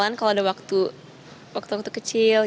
mereka mengajak kita buat selalu kenal